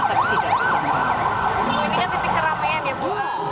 tapi tidak bisa merawat